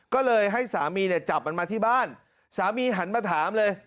ก็เลยให้สามีเนี่ยจับมันมาที่บ้านสามีหันมาถามเลย